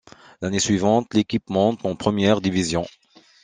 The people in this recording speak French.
L'année suivante l'équipe monte en première division.